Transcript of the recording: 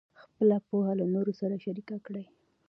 خپله پوهه له نورو سره شریکه کړئ.